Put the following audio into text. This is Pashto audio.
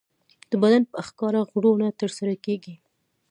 د بدن په ښکاره غړو نه ترسره کېږي.